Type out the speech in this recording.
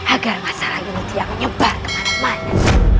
agar masalah ini tidak menyebar kemana mana